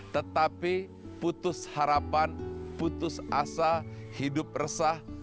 tetapi putus harapan putus asa hidup resah